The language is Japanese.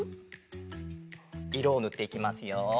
いろをぬっていきますよ。